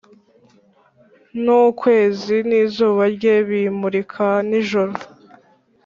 Nukwezi nizuba rye bimurika nijoro